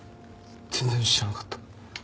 全然知らなかった。